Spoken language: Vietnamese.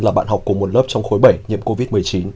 là bạn học của một lớp trong khối bảy nhiễm covid một mươi chín